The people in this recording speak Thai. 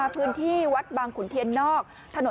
พื้นที่วัดบางขุนเทียนนอก